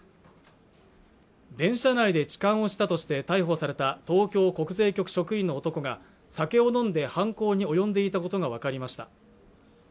電車内で痴漢をしたとして逮捕された東京国税局職員の男が酒を飲んで犯行に及んでいたことが分かりました